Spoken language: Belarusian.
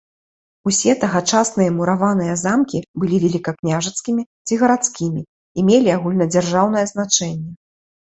Усе тагачасныя мураваныя замкі былі велікакняжацкімі ці гарадскімі і мелі агульнадзяржаўнае значэнне.